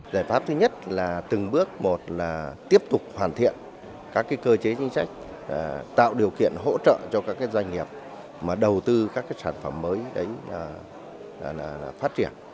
giải pháp thứ nhất là từng bước một là tiếp tục hoàn thiện các cái cơ chế chính sách tạo điều kiện hỗ trợ cho các cái doanh nghiệp mà đầu tư các cái sản phẩm mới đấy là